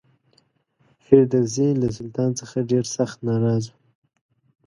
فردوسي له سلطان څخه ډېر سخت ناراض و.